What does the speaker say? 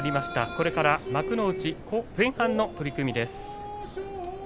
これから幕内前半の取組です。